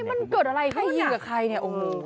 มันเกิดอะไรยืนกับใครเหรอ